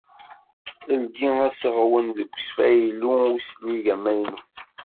Ldi aseɣwen deg usfaylu uslig amaynut.